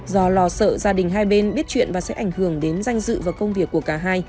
do lo sợ gia đình hai bên biết chuyện và sẽ ảnh hưởng đến danh dự và công việc của cả hai